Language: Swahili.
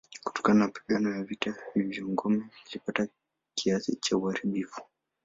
Kutokana na mapigano ya vita hivyo ngome ilipata kiasi cha uharibifu.